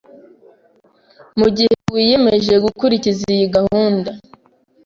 Mu gihe wiyemeje gukurikiza iyi gahunda